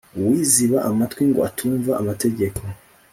uwiziba amatwi ngo atumva amategeko